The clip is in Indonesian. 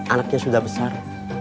anaknya sudah besar